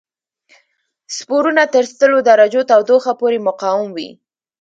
سپورونه تر سلو درجو تودوخه پورې مقاوم وي.